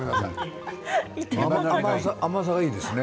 甘酢がいいですね。